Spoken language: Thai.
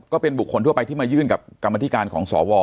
ก็เป็นบุคคลทั่วไปที่มายื่นกับกรรมธิการของสว